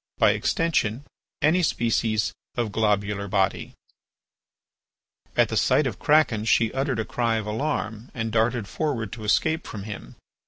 By extension any species of globular body."—Littré At the sight of Kraken she uttered a cry of alarm and darted forward to escape from him.